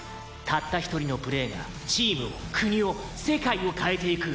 「たった一人のプレーがチームを国を世界を変えていく！」